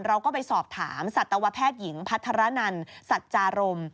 เราก็ไปสอบถามสัตวแพทย์หญิงพัทรนันสัจจารม